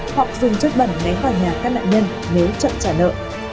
hoặc dùng chất bẩn né vào nhà các nạn nhân nếu chậm trả nợ